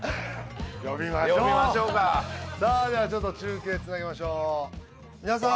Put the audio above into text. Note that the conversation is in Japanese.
呼びましょう呼びましょうかさあではちょっと中継つなぎましょう皆さーん！